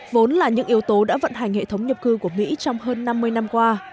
vốn là những yếu tố đã vận hành hệ thống nhập cư của mỹ trong hơn năm mươi năm qua